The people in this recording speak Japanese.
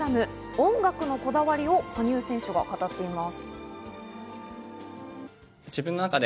音楽のこだわりを羽生選手が語っています。